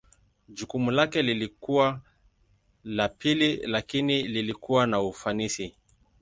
Jukumu lake lilikuwa la pili lakini lilikuwa na ufanisi.